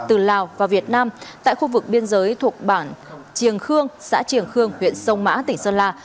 từ lào và việt nam tại khu vực biên giới thuộc bản triềng khương xã trường khương huyện sông mã tỉnh sơn la